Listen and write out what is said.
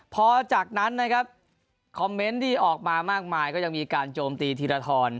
พอจากนั้นนะครับคอมเมนต์ที่ออกมามากมายก็ยังมีการโจมตีธีรทร